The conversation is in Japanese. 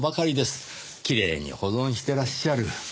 きれいに保存してらっしゃる。